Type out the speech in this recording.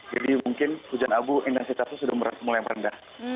jadi mungkin hujan abu intensitasnya sudah mulai rendah